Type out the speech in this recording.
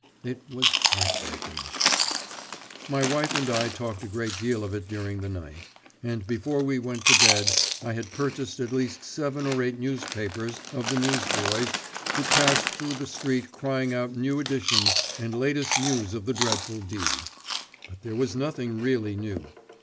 It was heartbreaking." My wife and I talked a great deal of it during the night, and before we went to bed I had purchased at least seven or eight newspapers of the newsboys who passed through the street crying out new editions and latest news of the dreadful deed. But there was nothing really new.